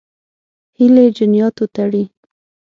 هیلې جنیاتو تړي.